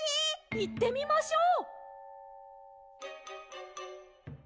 ・いってみましょう。